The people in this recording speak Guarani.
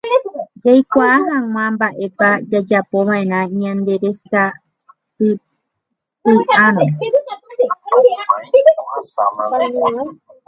jaikuaa hag̃ua mba'épa jajapova'erã ñanderasysapy'árõ